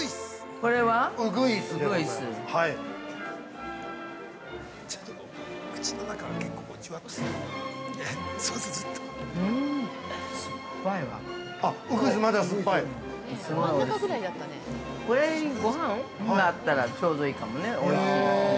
これにごはんがあったらちょうどいいかもね。